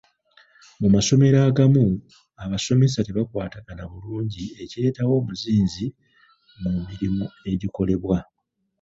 Mu masomero agamu, abasomesa tebakwatagana bulungi ekireetawo omuzinzi mu mirimu egikolebwa.